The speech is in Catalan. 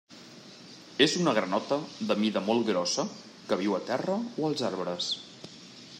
És una granota de mida molt grossa que viu a terra o als arbres.